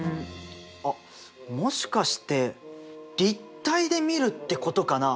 あっもしかして立体で見るってことかな？